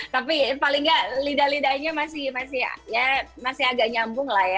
tapi paling nggak lidah lidahnya masih agak nyambung lah ya